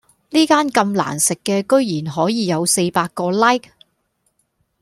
呢間咁難食嘅居然可以有四百個 like